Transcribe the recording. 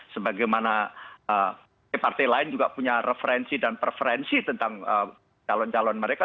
sebagaimana partai lain juga punya referensi dan preferensi tentang calon calon mereka